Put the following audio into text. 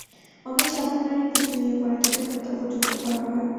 অনেক সাধারণ নারীর পিছু নিয়ে পরে তাঁদের হত্যা পর্যন্ত করা হয়।